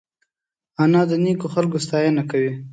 انا د نیکو خلکو ستاینه کوي